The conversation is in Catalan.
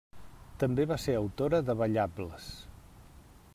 També va ser autora de ballables.